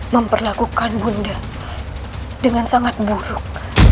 memperlakukan ibu nda dengan sangat buruk